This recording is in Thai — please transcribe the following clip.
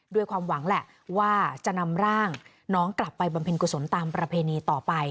ด้วยความหวังแหละว่าจะนำร่างน้องกลับไปบำเพ็ญกุศลตามประเพณีต่อไป